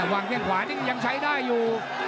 วางแข้งขวานี่ยังใช้ได้อยู่